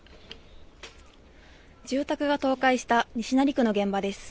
住宅が倒壊した西成区の現場です。